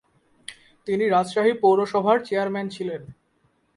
তিনি রাজশাহী পৌরসভার চেয়ারম্যান ছিলেন।